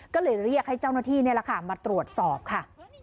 ก็เลยเรียกให้เจ้าหน้าที่นี่แหละค่ะมาตรวจสอบค่ะ